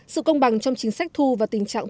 sự công bằng trong chính sách thu và tình trạng